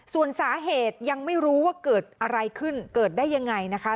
ส่วนสาเหตุยังไม่รู้ว่าเกิดอะไรขึ้นเกิดได้ยังไงนะคะ